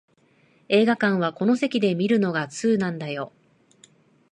映画館はこの席で観るのが通なんだよ